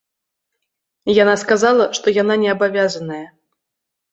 Яна сказала, што яна не абавязаная.